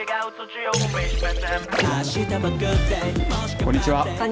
こんにちは。